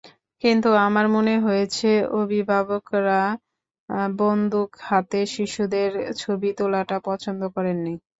কিন্তু আমার মনে হয়েছে, অভিভাবকেরা বন্দুক হাতে শিশুদের ছবি তোলাটা পছন্দ করেননি।